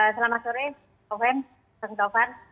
selamat sore pak fendt pak taufan